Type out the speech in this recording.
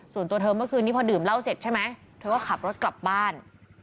ส่วนตัวเธอเมื่อคืนนี้พอดื่มเหล้าเสร็จใช่ไหมเธอก็ขับรถกลับบ้าน